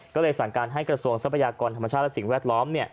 ก็เลยสั่งการให้กระทรวงทรัพยากรธรรมชาติและสิ่งแวดล้อม